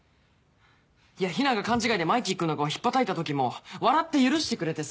いやヒナが勘違いでマイキー君の顔ひっぱたいたときも笑って許してくれてさ。